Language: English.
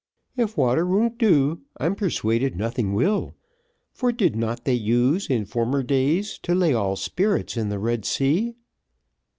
"If water won't do, I'm persuaded nothing will, for did not they use, in former days, to lay all spirits in the Red Sea?"